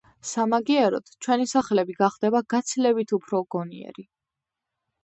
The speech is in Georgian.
სამაგიეროდ, ჩვენი სახლები გახდება გაცილებით უფრო გონიერი.